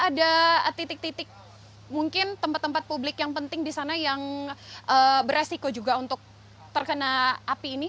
ada titik titik mungkin tempat tempat publik yang penting di sana yang beresiko juga untuk terkena api ini